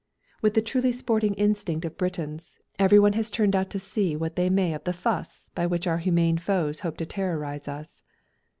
With the truly sporting instinct of Britons, everyone has turned out to see what they may of the "fuss" by which our humane foe hopes to terrorise us.